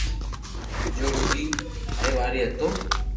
جو روگي ڀآيارتي ھتو